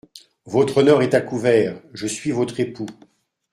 Votre honneur est à couvert, je suis votre époux.